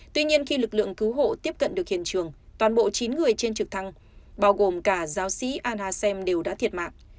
tuy nhiên khi lực lượng cứu hộ tiếp cận được hiện trường toàn bộ chín người trên trực thăng bao gồm cả giáo sĩ anasem đều đã thiệt mạng